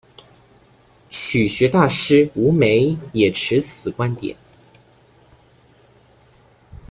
曲学大师吴梅也持此观点。